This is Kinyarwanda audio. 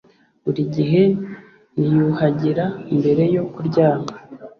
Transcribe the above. buri gihe niyuhagira mbere yo kuryama